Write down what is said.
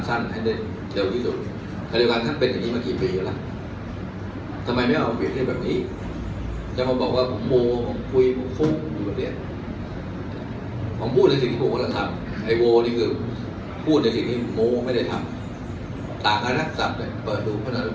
สิ่งที่โม้ไม่ได้ทำต่างกับนักศัพท์เลยเปิดรูปขนาดอุปม